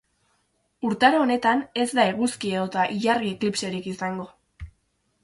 Urtaro honetan ez da eguzki edota ilargi eklipserik izango.